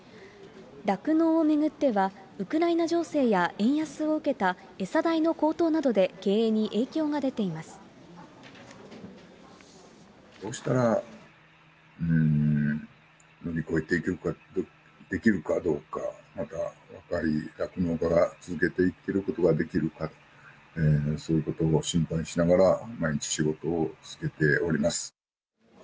酪農を巡っては、ウクライナ情勢や円安を受けた餌代の高騰などで経営に影響が出てどうしたら乗り越えていけるかどうか、またやっぱり酪農家が続けていけるかどうか、そういうことを心配しながら、毎日仕事を続けております。